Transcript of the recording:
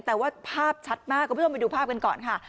แต่ว่าภาพชัดมากคุณผู้ชมไปดูภาพกันก่อนค่ะ